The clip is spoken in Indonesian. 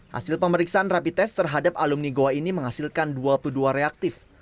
hasil pemeriksaan rapi tes terhadap alumni goa ini menghasilkan dua puluh dua reaktif